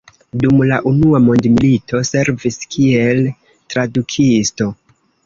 Dum la Unua mondmilito servis kiel tradukisto.